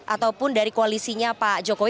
ataupun dari koalisinya pak jokowi